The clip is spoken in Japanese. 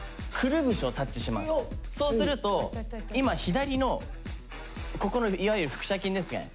そうすると今左のここのいわゆる腹斜筋ですね